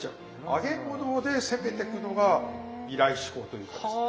揚げ物で攻めてくのが未来志向というかですね。